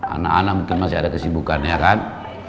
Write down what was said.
anak anak mungkin masih ada kesibukan ya kan